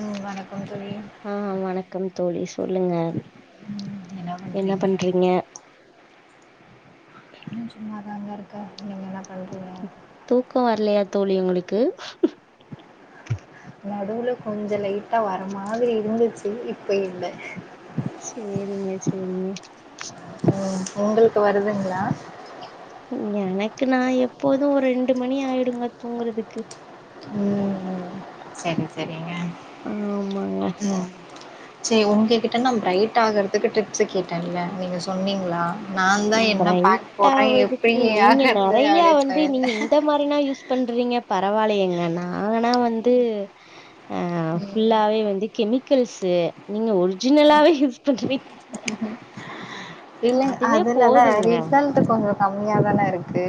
ம் வணக்கம் தோழி ஆ வணக்கம் தோழி சொல்லுங்க என்ன பண்றீங்க சும்மாதாங்க இருக்க நீங்க என்ன பண்ற தூக்கோ வர்லயா தோழி ஒங்ளுக்கு நடுவுல கொஞ்ச லைட்டா வர மாரி இருந்துச்சு இப்ப இல்ல சேரிங்க சேரிங்க ம் ஒங்ளுக்கு வருதுங்ளா எனக்கு நா எப்போதூ ஒரு ரெண்டு மணி ஆயிடுங்க தூங்றதுக்கு ம் சரி சரிங்க ஆமாங்க ம் சேரி ஒங்க கிட்ட நா பிரைட் ஆகறதுக்கு டரிப்ஸு கேட்டேன்ல நீங்க சொன்னீங்ளா பிரைட் ஆவறதுக்கு நீங்க ஆகுறது நெறையா அப்படின்னு வந்து நீங்க சொல்லிருந்தேன் இந்த மாரிலா யூஸ் பண்றீங்க பரவால்லயேங்க நானா வந்து ஆ ம் ஃபுல்லாவே வந்து கெமிக்கல்ஸு நீங்க ஒரிஜினலாவே யூஸ் பண்றீங்க [inaudible] இல்லைங்க அதுவே அதுலதா போதுங்க ரிசல்ட் கொஞ்சோ கம்மியா தான இருக்கு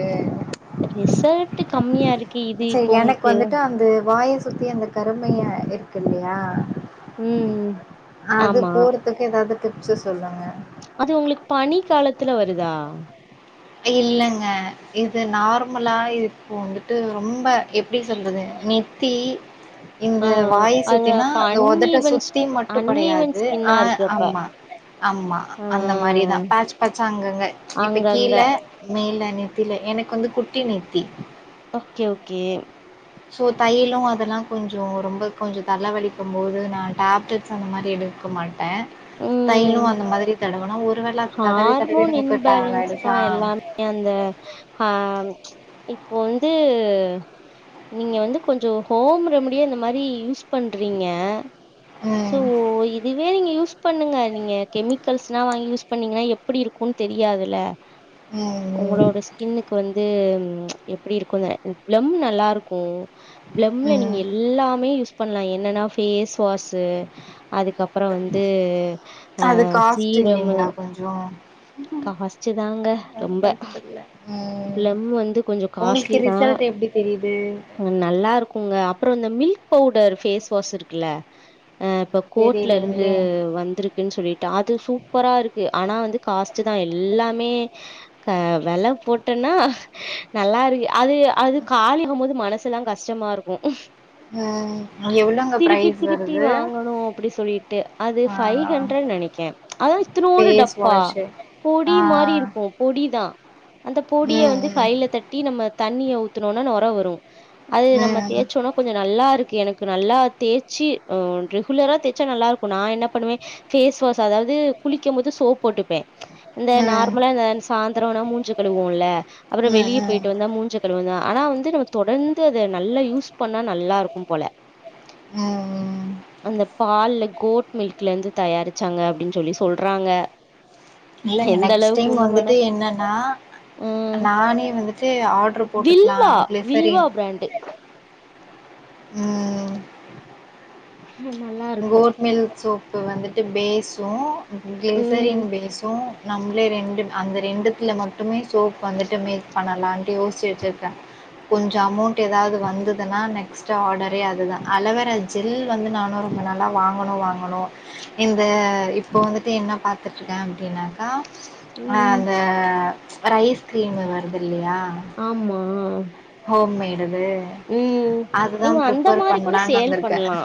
ரிசல்ட் கம்மியாருக் சரி எனக் வந்துட்டு அந்த வாய சுத்தி அந்த கருமையா இருக்கு இல்லயா ம் அது ஆமா போறதுக்கு ஏதாது டிப்ஸு சொல்லுங்க அது ஒங்ளுக்கு பனிக்காலத்துல வருதா இல்லங்க இது நார்மலா இப்போ வந்துட்டு ரொம்ப எப்டி சொல்றது நீ த்தீ ஆ இந்த வாய அது சுத்தினா அப்ப இந்த ஒதட்ட அன்ஈவன் ஸ் சுத்தி மட்டு அன்ஈவன் கெடையாது ஸ்கின்னா ஆ இருக்கு அப்ப. ஆமா ஆம்மா ஆ அந்த மாரிதா பேச் பேச்சா அங்கங்க இப்ப அங்கங்க. கீழே மேல நெத்தில எனக்கு வந்து குட்டி நெத்தி ஓக்கே ஓக்கே சோ தைலொ அதெல்லா கொஞ்சொ ரொம்ப கொஞ்சொ தல வலிக்கு போது நா டேப்லெட்ஸ் அந்த மாரி எடுக்க மாட் ட ம். தைலோ அந்த மாரி தடவுனா ஒருவேளா அந் ஹார்மோன் இம்பேலன்ஸ் தா எல்லாமே அந்த ஆ இப்போ வந்து நீங்க வந்து கொஞ்ச ஹோம் ரெமடியா இந்த மாரி யூஸ் பண்றீங்க சோ ம். இதுவே நீங்க யூஸ் பண்ணுங்க நீங்க கெமிக்கல்ஸ்ல்லா வாங்கி யூஸ் எப்டி இருக்குனு தெரியாதுல ம், ம், ஒங்களோட ஸ் கின்னுக்கு வந்து எப்டி இருக்குனு பிளம் நல்லாருக்கு பிளம்ல நீங்க ம். எல் எல்லாமே யூஸ் பண்லா என்னன்னா ஃபேஸ் வாஸு அதுக்கப்பறோ வந்து ஆ சீரம்மு ஆ காஸ்ட்டு தாங்க ரொம்ப ம் பிளம் வந்து கொஞ்ச உங்களுக்கு காஸ்ட்லி தா ரிசல்ட் எப்படி தெரியுது? அது நல்லா இருக்குங்க அப்பறோ இந்த மில்க் பவுடர் ஃபேஸ் வாஸ் இருக்குல்ல ஆ இப்ப கோர்ட்லருந்து தெரியலைங்களே! வந்துருக் இருக்குன்னு சொல்லிட்டு அது சூப்பரா இருக்கு ஆனா வந்து காஸ்ட்டு தா எல்லாமே க வெல போட் டன்னா நல்லாருக்கு அது அது காலி போது மனசு எல்லா கஷ்டமா இருக்கு ம். எவ்வளோங்க திருப்பி பிரைஸ் திருப்பி வருது? வாங்கணு அப்டி சொல்லிட்டு அது ஆ ஃபைவ் ஹண்டரடு நெனைக்கே அதா இத்துணுண்டு ஃபேஸ் டப்பா வாஷு. ஆ. பொடி மாரி இருக்கு பொடி தா அந்த பொடிய ம், வந்து ம். கையில தட்டி நம்ம தண்ணிய ஊத்துனோனா நொர வரு அது நம்ம ம், தேய்ச்சோனா கொஞ்ச நல்லா இருக்கு எனக்கு நல்லா தேய்ச்சி ஆ ரெகுலரா தேய்ச்சா நல்லா இருக்கு நா என்ன பண்ணுவே ஃபேஸ் வாஷ் அதாவது குளிக்கம் போது சோப் போட்டுப்பே இந்த ம். நார்மலா இந்த சாய்ந்தர ஆனா மூஞ்சி கழுவோல அப்புற ம், வெளிய ம். போயிட் டு வந்தா மூஞ்சக் கழுவோந்தா ஆனா வந்து நம்ம தொடர்ந்து அத நல்லா யூஸ் பண்ணா நல்லா இருக்கும் போல ம் அந்த பால்ல கோட் மில்க்ல இருந்து தயாரிச்சு சாங்க அப்டின்னு சொல்லி சொல்றாங்க இல்லங்க எந்த நெக்ஸ்ட் அளவுக்கு டைம் உண்மனா வந்துட்டு என்னன்னா ஆ நானே வந்துட்டு ஆர்டரு போட்டுக்கலா வில்வா கிளுஸரி வில்வா பிராண்டு ம் நல்லா இருக்கு கோட்மில் சோப்பு வந்துட்டு பேஸு ம் கிளஸரின் பேஸு நம்மளே ரெண்டு அந்த ரெண்டுத்துல மட்டுமே சோப் வந்துட்டு மேக் பண்ணலான்ட்டு யோசிச்சு வச்சருக்கே கொஞ்ச மௌண்ட் ரம் ச்சச் ஏதாது வந்க்த்னபாம்ப நெக்ஸ்டு ஆர்டரே அதுதா அலவரா ஜெில் வந்து நானூறு நம்ம நல்லா வாங்கணு வாங்கணு இந்த இப்போது வந்துட்டு என்ன பாரத்துருக்கே அப்டின்னாக்கா ஆ ம் அந்த ஒரு ஐஸ்கிரீம் வருது இல்லயா ஆமா ஹோம்மெய்டு ம் அதுஅதுதா நீங்க அந்த ப்ரிபர் மாரி கூட பண்ணலான்னு சேல் வந்திருக்க பண்லா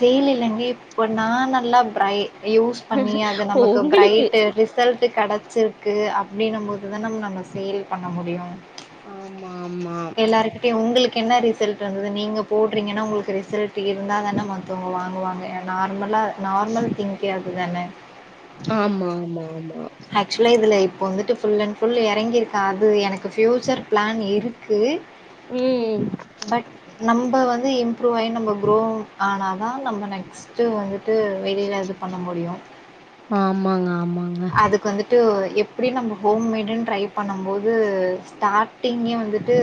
செய்லலில்லேங்கே இப்ப நா நல்லா பிரைட் யூஸ் பண்ணி அது நமக்கு உங்களுக்கு பிரைட்டு ரிஸ்க் ரிசல்ட்டு் கெடச்சிருக்கு அப்டின்னும் போது தா நம்ம நம்ம சேல் பண்ண முடியு ஆமா ஆமா எல்லாருக்கிட்டயு உங்களுக் கு என்ன ரிசல்ட் வந்தது நீங்க போடுறீங்கன்னா உங்களுக்கு ரிசல்ட் இருந்தா தானே மத்தவங்க வாங்குவாங்க நார்மலா நார்மல் திங்கே அது தான ஆமா ஆமா ஆமா ஆக்சுவலா இதுல இப்போ வந்துட்டு ஃபுல் அண்ட் ஃபுல் எறங்கிருக்கா அது எனக்கு ஃப்யூச்சர் பிளான் இருக்கு. ம் பட் நம்ப வந்து இம்ப்ரூவ் ஆயி நம்ம க்ரோ ஆனாதா நம்ம நெக்ஸ்ட் க்ஸ்ட்டு வந்துட்டு வெளியில இது பண்ண முடியு ஆமாங்க ஆமாங்க அதுக்கு வந்துட்டு எப் அப்டி நம்ம ஹோம்மேடுன்னு ட்ரை பண்ணுபோது ஸ்டார்ட் டிங்கே வந்துட்டு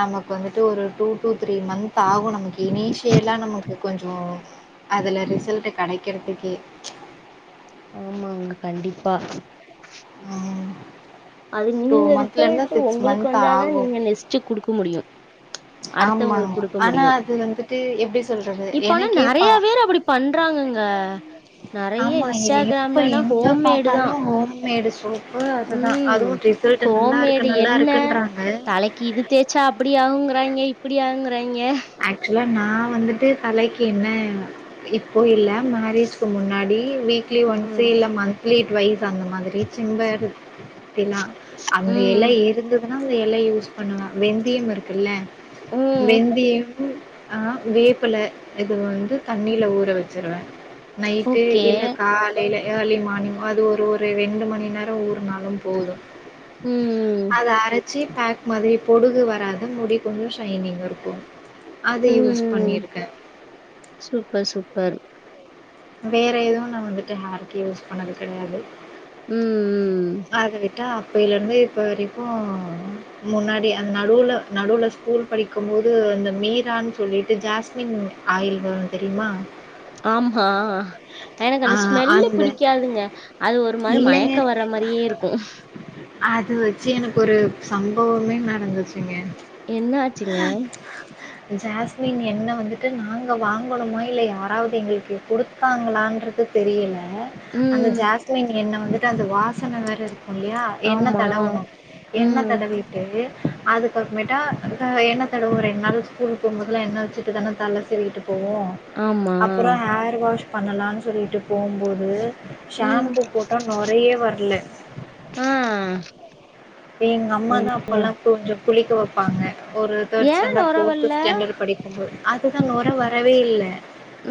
நமக்கு வந்துட்டு ஒரு டூ டூ த்ரீ மந்த் ஆகு நமக்கு இனிஷியல்லா நமக்கு கொஞ்ச அதுல ரிசல்ட்டு கெடைக்கிறதுக்கு ஆமாங்க கண்டிப்பா ஆமா [unintelligible] அது நீங்க ரிசல்ட் உங்களுக்கு வந்தா தா ஆகும் நீங்க நெஸ்ட்டு குடுக்க முடியும் ஆமாங்க அடுத்தவங்களுக்கு கொடுக்க முடியு ஆனால் அது வந்துட்டு எப்படி சொல்கிறது இப்ப ஆனா எனக்கே பா நிறைய பேர் அப்டி பண்றாங்கங்க நிறைய ஆமாம் இன்ஸ்டாகிராம்லன்னா ஹோம்மேடு தா ஹோம் மேடு சூப்பு ம் கோமேடு நல்லா என்ன இருக்குன்றாங்க தலைக் இது தேய்ச்சா அப்டி ஆகுங்கிறாங்க இப்டி ஆகுங்கிறாங்க ஆக்சுவலா நா வந்துட்டு தலைக்கு என்ன இப்போ இல்ல மேரேஜ்க்கு முன்னாடி வீ மத்தி ஒன்ஸே ம் இல்லை மந்த்லி ட் வைஸ் அந்த மாதிரி சிம்பிலாம் அந்த மாரி தா அந்த ம் இலை இருந்ததுன்னா அந்த இலை யூஸ் பண்ணணு வெந்தியம் இருக்குல்ல ம் வெந்தியம் ஆ வேப்புல இது வந்து தண்ணில ஊற வச்சுருவேன் நைட்டு ஓகே இல்ல கால் ஏர்லி மார்னிங் அது ஒரு ஒரு ரெண்டு மணி நேரம் ஊருனாலும் போதும் ம் அது அரைச்சி பேக் மாதிரி பொடுகு வராது முடி கொஞ்சம் ஷைனிங் இருக்கும் ம் ம் சூப்பர் சூப்பர் வேற எதுவும் நான் வந்துட்டு மாத்தி யூஸ் பண்ணது கிடையாது ம்ம் அத விட்டா அப்பிலையிலிருந்து இப்போ வரைக்கும் முன்னாடி அந்த நடுவுல நடுவுல ஸ்கூல் படிக்கும் போது அந்த மீரான்னு சொல்லிட்டு ஜாஸ்மின் ஆயுள் வேரும் தெரியுமா ஆமா எனக்கு ஆ அந்த ஸ்மெல்லு அந்த பிடிக்காதுங்க அது ஒரு மாதிரி இல்லங்க மயக்கம் வரா மாதிரியே இருக்கும் அது வச்சு ஒரு சம்பவமே நடந்துச்சிங்க என்னாச்சுங்க ஜாஸ்மின் எண்ணெ வந்துட்டு நாங்க வாங்கணுமோ இல்லா யாராவது எங்களுக்கு கொடுத்தாங்களான்றது தெரியலா அந்த ம் ஜாஸ்மின் எண்ணெ வந்துட்டு அந்த வாசனை வேற இருக்கும் இல்லையா எண்ணெ ஆமா தடவுணும் என்ன ம் தடவை ட்டு அது பக்கமேட்டா எண்ணெ தடவிட்டு ரெண்டு நாள் ஸ்கூல் போகும் போதல்லாம் எண்ணா வச்சிட்டு தானே தலை சீவிட்டு போவோம் ஆமா அப்புறம் ஹேர் வாஷ் பண்ணலாம்னு சொல்லிட்டு போகும்போது ம் ஷாம்பு போட்டா நொரையே வரலே ம்ம் எங்க அம்மா தான் அப்பெல்லாம் கொஞ்சம் குளிக்க வைப்பாங்க ஒரு தேர்ட் ஏ நொர ஸ்டாண்ட்ர்ஃபோர்த்து வல்ல ஸ்டாண்டர்ட் படிக்கும் அதுதான் நொர வரவே இல்லை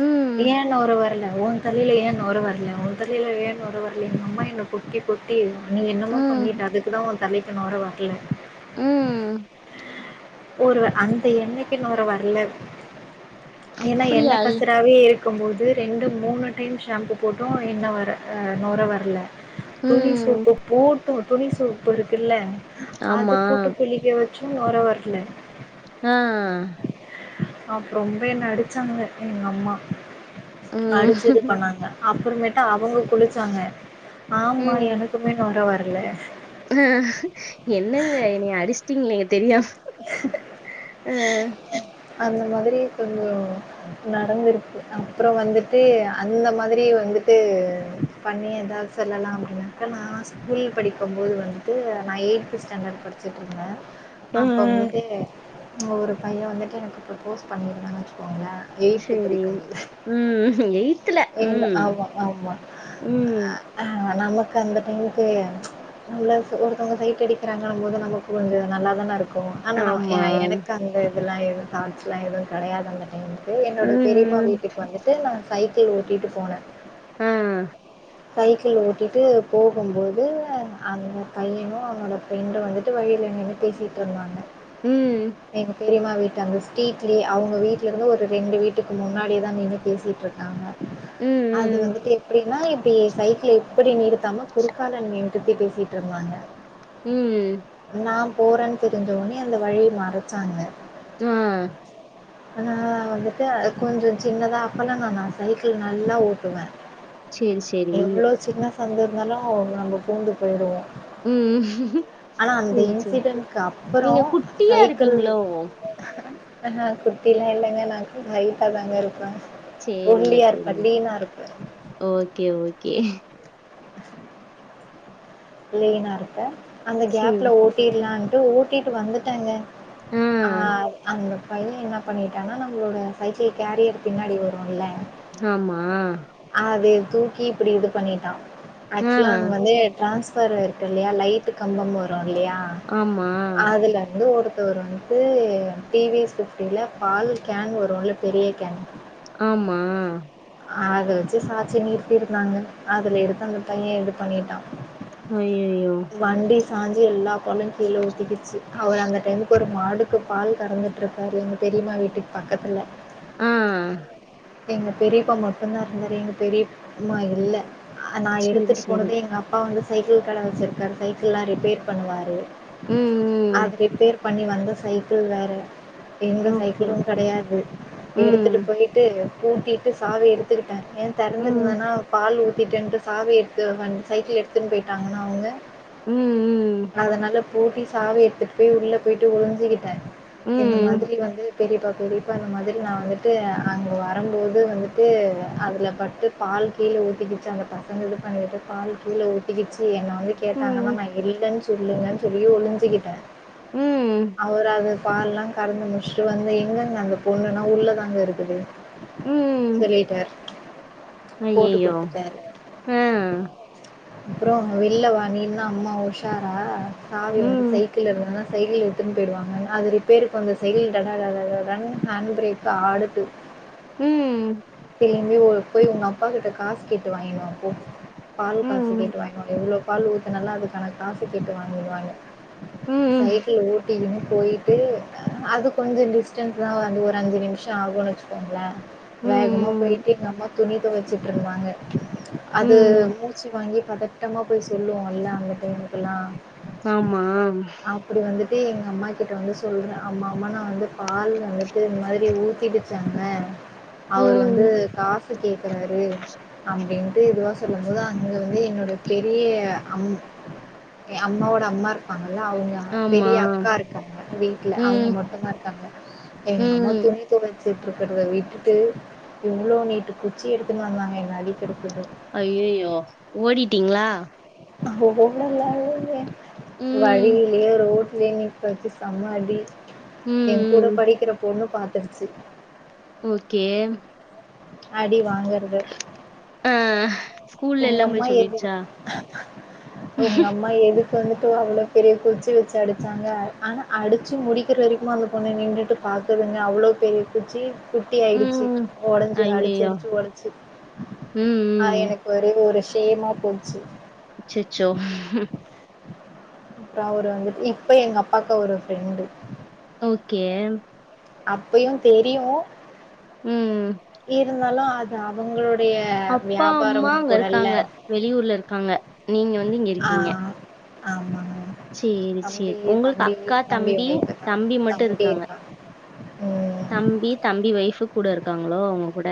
ம் ஏன் நொரா வரல தலைல ஏன் நொர வரலே உன் தலையில ஏன்நொரை வரல அம்மா என்தலைல கொட்டி கொட்டி நீ என்னமோ ம், பண்ணிட்டு அதுக்குதான் உன் தலையிலா நொரை வரல உம் ஒரு அந்த எண்ணைக்கு நொரை வரல ஏன்னா எண்ணெ அப்படியா? கசராவே இருக்கு இருக்கும்போது ரெண்டு மூணு டைம் ஷாம்பு போட்டும் எண்ணெ வரல நொர வரல துணி ம். சோப்பு போட்டு துணி சோப்பு இருக்குல்ல அதை ஆமா. போட்டு புளி இங்க வச்சும் நொர வரல ஆ ஆ அப்ப ரொம்ப என்ன அடுச்சாங்க எங்க அம்மா ம். அடுச்சு இது பண்ணாங்க அப்புறமேட்டா அவுங்க குளுச்சாங்க ஆமா எனக்குமே நொர வரலா அ என்னங்க என்னைய அடுச்சிட்டீங்ளே தெரியாமா ஆ அந்த மாதிரி கொஞ்சோ நடந்திருக்கு அப்புற வந்துட்டு அந்த மாதிரி வந்துட்டு பண்ணி ஏதாவது செல்லலா அப்டி வெக்கலா ஸ்கூல் படிக்கும் போது வந்துட்டு நா ஏயித் ஸ்டாண்டட் படிச்சுட்டு இருந்தே ஆ. அப்போ வந்துட்டு ஒரு பைய வந்துட்டு எனக்கு ப்ரப்போஸ் பண்ணியிருந்தான் வெச்சுக்கோங்களே எயித்து சரி. படிக்கும் போது ம். எங்க ம். ஆமா ஆமா ம். ஆ நமக்கு அந்த டைமுக்கு நம்ள ஒருத்தவங்க சைட் அடிக்குறாங்கம்போது நமக்கு கொஞ்சோ நல்லாதான இருக்கு க்கு ஆனா நா ஆமா. எனக்கு அந்த இதெல்லா எதுவு தாட்ஸ்லா எதுவு கெடயாது அந்த டைம்ல இது என்னோட பெரியம்மா ம். வீட்டுக்கு வந்துட்டு நா சைக்கிள் ஓட்டிட்டு போனே ஆ சைக்கிள் ஓட்டிட்டு போகும்போது அந்த பையனு அவனோட ப்ரெண்டு வந்துட்டு வழில நின்னு பேசிட்டு இருந்தாங்க ம். பெரியம்மா வீட்டு அங்க ஸ்ட்ரீட்லே அவுங்க வீட்லருந்து ஒரு ரெண்டு வீட்டுக்கு முன்னாடி தா நின்னு பேசிட்டு இருக்காங்க அது ம். ம். வந்துட்டு எப்டின்னா இப்டி சைக்கிள் எப்டி நிறுத்தாம குறுக்கால நி பத்தி பேசிட்டு இருந்தாங்க உம் நா போறேன் தெரிஞ்ச உடனே அந்த வழிய மறச்சாங்க ஆ ஆனா வந்துட்டு கொஞ்சோ சின்னதா அப்பல்லா நா நா சைக்கிள் நல்லா ஓட்டுவே சரி, சரி. எவ்ளோ சின்ன சந்து இருந்தாலு நாங்க பூந்து போயிடுவோ ம். ஆனா அந்த சரி, சரி. இன்சிடென்ட்க் அப்பறோ நீங்க குட்டியா சைக்கிள் இருப்பீங்களோ? ஆ குட்டிலா இல்லங்க நா ஹைட்டா தாங்க இருப்பே சரிங்க, ஒள்ளியா சரி. இருப்பே லீனா இருப்பே ஓகே ஓகே [inaudible] லீனா இருப்பே அந்த சரி, கேப்ல சரி. ஓட்டிர்லான்ட்டு ஓட்டிட்டு வந்துட்டேங்க ஆ அங்க பைய என்னா பண்ணிட்டனா நம்மளோட சைக்கிள் கேரியர் பின்னாடி வருல்ல ஆமா அத தூக்கி இப்டி இது பண்ணிட்டா ஆ ஆக்சுவலா இது வந்து ட்ரன்ஸ்பர் இருக்கு இல்லயா லைட்டு கம்பம் வரு இல்லயா ஆமா அதுல இருந்து ஒருத்தவரு வந்து து டி வி யஸ் பிஃப்டில பால் கேன் வருல்ல பெரிய கேன் ஆமா அத வச்சு சாச்சு நிறுத்திருந்காங்க அதுல எடுத்து அந்த பைய இது பண்ணிட்டா அய்யயோ வண்டி சாஞ்சு எல்லா பாலு கீழ ஊத்திகிச்சு அவர் அந்த டைமுக்கு ஒரு மாடுக்கு பால் கறந்துட்டு இருக்காரு எங்க பெரியம்மா வீட்டுக்கு பக்கத்துல ஆ எங்க பெரியப்பா மட்டுதா இருந்தாரு எங்க பெரியம்மா இல்ல அ நா சேரி எடுத்துட்டு சேரி போனதே எங்க அம் அப்பா வந்து சைக்கிள் கட வச்சிருக்காரு சைக்கிள்லா ரிப்பேர் பண்ணுவாரு ம் ம் அது ரிப்பேர் பண்ணி வந்த சைக்கிள் வேற எங்க ஓகே சைக்கிளும் ஓகே கடையாது எடுத்துட்டு ம் போயி ட்டு ஊத்திட்டு சாவி எடுத்துக்குட்டே ஏன் ம் தறந்துருந்தன்னா பால் ஊத்திட்டேன்டு சாவி எடுத்து வன் சைக்கிள் எடுத்துன்னு போயிட்டாங்கன்னா அவங்க ம் ம் அதனால பூட்டி சாவி எடுத்துட்டு போய் உள்ள போயிட்டு ஒளிஞ்சிக்கிட்டே இந்த ம் மாதிரி வந்து பெரியப்பா பெரியப்பா இந்த மாதிரி நா வந்துட்டு அங்க வரம்போது வந்துட்டு அதுல பட்டு பால் கீழ ஊத்திக்கிச்சு அந்த பசங்க இது பண்ணிட்டு பால் கீழ ஊத்திக்கிச்சு ஏன்னா கேட்டாங்கன்னா ம் நா இல்லன்னு சொல்லுங்கன்னு சொல்லி ஒளிஞ்சுகிட்டே ம் அவர் அது பால்லா கறந்து முடிச்சுட்டு வந்து எங்கங்க அந்த பொண்ணுன்னா உள்ளதாங்க இருக்குது ம் சொல்லிட்டாரு போட்டு அய்யய்யோ குடுத்துட்டாரு ஆ அப்புறோ அவங்க வெள்ல்ல வா நீ இன்னா அம்மா உஷாரா சாவி வந்து ம் சைக்கிள் இருந்தன்னா சைக்கிள் எடுத்துன்னு போயிடுவாங்க அங் அது ரிப்பேருக்கு வந்த சைக்கில் டடா டடா டடான்னு ஹேண்ட் ப்ரேக்கு ஆடுது ம் திரும்பி ஊருக் போயி உங்க அப்பா கிட்ட காஸ் கேட்டு வாங்கினு வா போ பால் காசு ம் கேட்டு வாங்கின்னு வாங்க எவ்ளோ பால் ஊத்தனல்ல அதுக்கான காசு கேட்டு வாங்கிடுவானு ம் சைக்கிளு ஓட் ட்டிக்கின்னு போயிட்டு அது கொஞ்சோ டிஸ்டன்ஸ் தா வந்து ஒரு அஞ்சு நிமிஷோ ஆகுன்னு வச்சுக்கோங்களே வேகமா ம் போயிட்டு எங்கம்மா துணி தொவச்சிட்ருந்தாங்க அது ம் மு ச்சி வாங்கி பதட்டமா போய் சொல்லுவோல்ல அந்த டைமுக்குல்லா ஆமா ப்புடி வந்துட்டு எங்க அம்மாக்கிட்ட வந்து சொல்ற அம்மா அம்மா நா வந்து பால் வந்துட்டு இந்த மாரி ஊத்திடுச்சு அங்க அவரு வந்து ம் காசு கேக்குறாரு அப்டின்ட்டு இதுவா சொல்லும் போது அங்க வந்து என்ன பெரிய அம் எ அம்மாவோட அம்மா இருக் ப்பாங்கல்ல அவுங்க ஆமா பெரிய அக்கா இருக்காங்க வீட்ல அவுங்க ம் மட்டுந்தா இருக்காங்க எங்க அம்மா ம் துணி தொவச்சிட்ருக்கறத விட்டுட்டு இவ்ளோ நீட்டு குச்சி எடுத்துன்னு வருவாங்க என்ன அடிக்குரத்துக்கு அய்யயோ ஓடிட்டீங்ளா ஆ ஓடலா இல்லயே ம் வழியிலே ரோட்லே நிக்க வச்சி சு செம்ம அடி ம், என் கூட ம். படிக்கிற பொண்ணு பாத்துருச்சு ஓகே அடி வாங்கறது ஆ ஸ்கூல்ல உங்க எல்லாம் அம்மா போய் எது சொல்லிருச்சா? உங்க அம் மா எதுக்கு வந்துட்டு அவ்ளோ பெரிய குச்சு வெச்சு அடிச்சாங்க ஆனா அடிச்சு முடிக்கிற வரிக்குமே அந்த பொண்ணு நின்டுட்டு பாக்குதுங்க அவ்ளோ பெரிய குச்சி குட்டி ஆயிடுச்சி ம். ஓ ஒடஞ்சுரோ அடிச்சு ஐயய்யோ! அடிச்சு ஒடச்சு ம், அ ம். எனக் ஒரே ஒரு ஷேமா போச்சு ச்சேச்சோ அப்றோ அவர் வந்துட்டு இப்ப எங்க அப்பாக்கு அவரு ஃப்ரெண்டு ஓகே அப்பையு தெரியு ம். இருந்தாலு அத் து அவுங்களுடைய அப்பா, அம்மா வியாபாரமு அங்க கூடல்ல இருக்காங்க. வெளியூர்ல இருக்காங்க நீங்க வந்து இங்க ஆ இருக்கீங்க. ஆமாங்க சேரி தம்பி சேரி உங்களுக்கு தம்பி அக்கா தம்பி ஒய்ஃப் இருக்காங்க தம்பி மட்டோ இருக்காங்க இருக்கா ம் தம்பி தம்பி ஒய்ஃபு கூட இருக்காங்களோ உங்க கூட